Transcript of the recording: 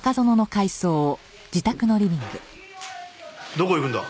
どこ行くんだ？